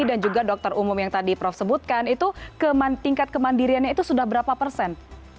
dan juga dokter umum yang tadi prof sebutkan tingkat kemandiriannya itu sudah berapa persen